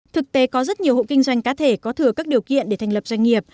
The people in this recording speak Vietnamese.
thực tế có rất nhiều hộ kinh doanh cá thể có thừa các điều kiện để thành lập doanh nghiệp